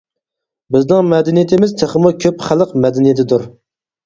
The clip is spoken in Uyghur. بىزنىڭ مەدەنىيىتىمىز تېخىمۇ كۆپ خەلق مەدەنىيىتىدۇر.